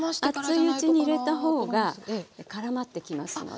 熱いうちに入れたほうがからまってきますので。